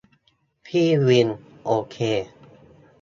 พี่วิน : โอเค